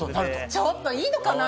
ちょっと！いいのかな？